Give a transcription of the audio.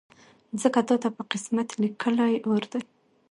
ځکه تاته په قسمت لیکلی اور دی